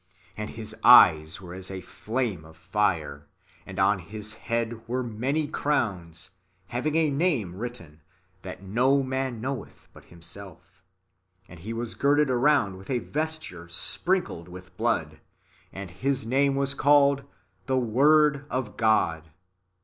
And His eyes were as a flame of fire, and on His head were many crowns ; having a name written, that no man knoweth but Himself : and He was girded around with a vesture sprinkled with blood : and His name is called The Word of God.